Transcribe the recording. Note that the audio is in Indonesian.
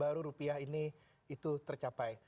baru rupiah ini itu tercapai